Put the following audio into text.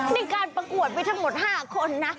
มันก็ประกวดไปทั้งหมดห้านคนนะ